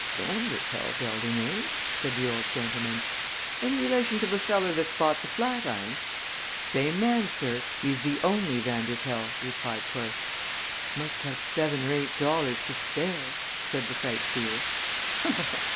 "Vanderpoel Building, eh?" said the old gentleman. "Any relation to the feller that's bought the Flatiron?" "Same man, sir. He's the only Vanderpoel," replied puss. "Must have seven or eight dollars to spare," said the sight seer.